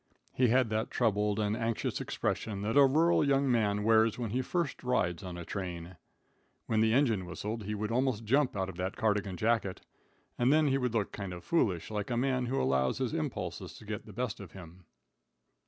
He had that troubled and anxious expression that a rural young man wears when he first rides on the train. When the engine whistled he would almost jump out of that cardigan jacket, and then he would look kind of foolish, like a man who allows his impulses to get the best of him.